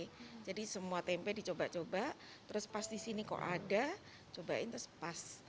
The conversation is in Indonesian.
saya memang suka tempe jadi semua tempe dicoba coba terus pas di sini kok ada cobain terus pas